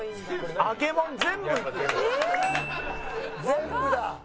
「全部だ」